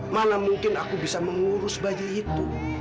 mana mungkin aku bisa mengurus bayi itu